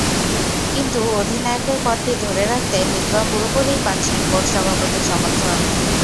কিন্তু অধিনায়কের পদটি ধরে রাখতে মিসবাহ পুরোপুরিই পাচ্ছেন বোর্ড সভাপতির সমর্থন।